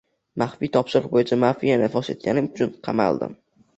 «Maxfiy topshiriq bo‘yicha mafiyani fosh etganim uchun qamaldim»